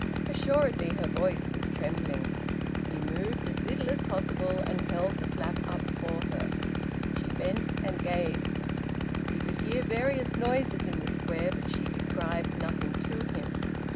Assuredly her voice was trembling. He moved, as little as possible, and held the flap up for her. She bent and gazed. He could hear various noises in the Square, but she described nothing to him.